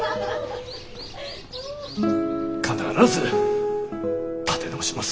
必ず立て直します。